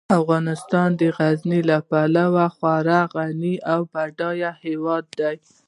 افغانستان د غزني له پلوه یو خورا غني او بډایه هیواد دی.